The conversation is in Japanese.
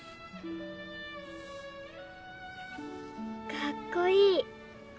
かっこいい。